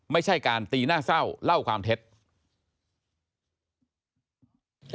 ไม่ใช่การตีหน้าเศร้าเล่าความเท็จ